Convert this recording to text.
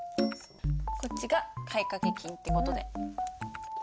こっちが買掛金って事で。